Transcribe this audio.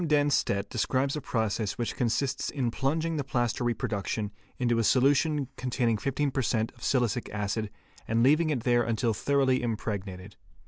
Dennstedt®® describes a process which consists in plunging the plaster reproduction into a solution containing 15 per cent. of silicic acid and leaving it there until thoroughly impregnated.